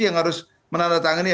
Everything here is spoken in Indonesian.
yang harus menandatangani